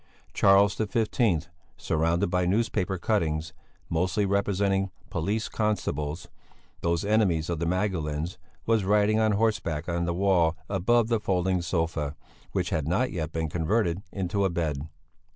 Charles XV, surrounded by newspaper cuttings, mostly representing police constables, those enemies of the Magdalenes, was riding on horseback on the wall above the folding sofa, which had not yet been converted into a bed.